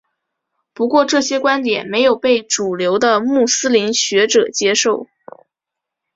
不过这些观点没有被主流的穆斯林学者接受。